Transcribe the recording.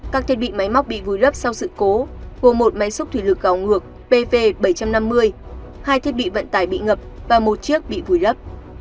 các thiết bị máy móc bị vùi lấp sau sự cố gồm một máy xúc thủy lực gào ngược pv bảy trăm năm mươi hai thiết bị vận tải bị ngập và một chiếc bị vùi lấp